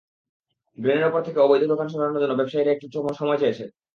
ড্রেনের ওপর থেকে অবৈধ দোকান সরানোর জন্য ব্যবসায়ীরা একটু সময় চেয়েছেন।